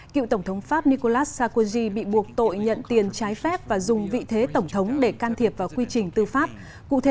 kiệu tổng thống pháp đầu tiên bị xét xử vì thanh nhũng